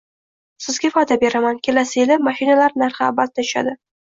Sizga va'da beraman, kelasi yili mashinalar narxi albatta tushadi ”